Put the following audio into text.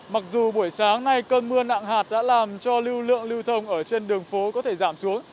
mặc dù buổi sáng nay cơn mưa nặng hạt đã làm cho lưu lượng lưu thông ở trên đường phố có thể giảm xuống